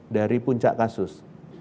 dari puncak kasus